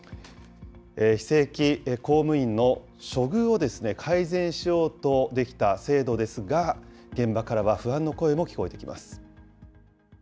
非正規公務員の処遇を改善しようと出来た制度ですが、現場からは不安の声も聞こえてきます。